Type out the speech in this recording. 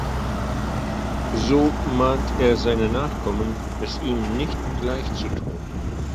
So mahnt er seine Nachkommen, es ihm nicht gleichzutun.